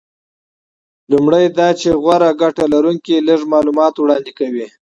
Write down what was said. لومړی دا چې غوره عاید لرونکي لږ معلومات وړاندې کوي